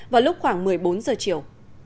vào lúc khoảng một mươi bốn giờ chiều